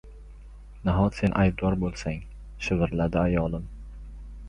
– Nahot sen aybdor boʻlsang? – shivirladi ayolim.